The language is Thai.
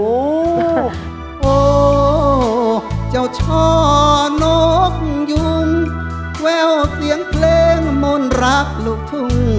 โอ้โหเจ้าช่อนกยุงแววเสียงเพลงมนต์รักลูกทุ่ง